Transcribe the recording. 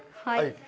はい。